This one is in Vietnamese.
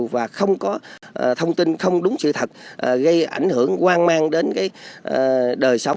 và không có thông tin không đúng sự thật gây ảnh hưởng quan mang đến đời sống